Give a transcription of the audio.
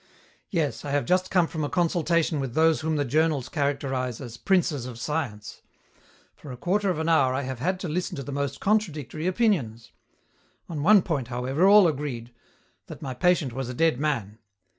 "Yes, I have just come from a consultation with those whom the journals characterize as 'princes of science.' For a quarter of an hour I have had to listen to the most contradictory opinions. On one point, however, all agreed: that my patient was a dead man.